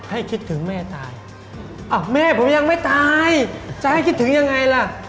คิดถึงแม่ตายอ้าวแม่ผมยังไม่ตายจะให้คิดถึงยังไงล่ะ